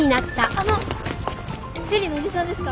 あの生理のおじさんですか？